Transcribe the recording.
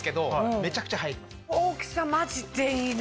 大きさマジでいいな。